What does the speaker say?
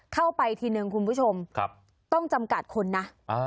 เข้าไปทีนึงคุณผู้ชมต้องจำกัดคนนะ